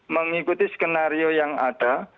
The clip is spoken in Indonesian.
mengikuti skenario yang ada